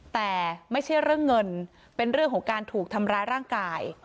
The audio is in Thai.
แต่ไม่ใช่เรื่องเงินเป็นเรื่องของการถูกทำร้ายร่างกาย